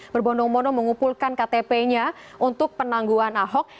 berbondong bondong mengumpulkan ktp nya untuk penangguhan ahok